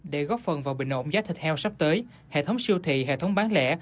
để góp phần vào bình ổn giá thịt heo sắp tới hệ thống siêu thị hệ thống bán lẻ